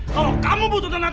kalau kamu butuh tenagaku